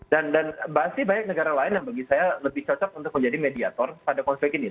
dan pasti banyak negara lain yang bagi saya lebih cocok untuk menjadi mediator pada konflik ini